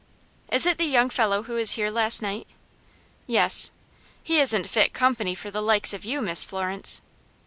"Is it the young fellow who was here last night?" "Yes." "He isn't fit company for the likes of you, Miss Florence."